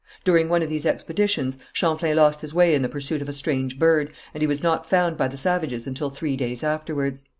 During one of these expeditions, Champlain lost his way in the pursuit of a strange bird, and he was not found by the savages until three days afterwards.